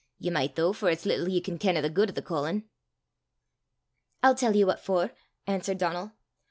Ye micht, though, for it's little ye can ken o' the guid o' the callin'!" "I'll tell ye what for," answered Donal.